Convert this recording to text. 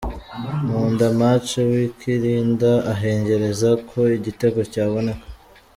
Nkundamatch w'i Kilinda ahengereza ko igitego cyaboneka.